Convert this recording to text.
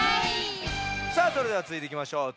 さあそれではつづいていきましょう。